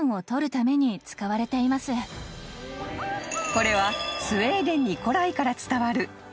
［これはスウェーデンに古来から伝わる］